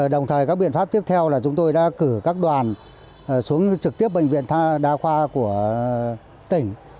đồng thời các biện pháp tiếp theo là chúng tôi đã cử các đoàn xuống trực tiếp bệnh viện đa khoa của tỉnh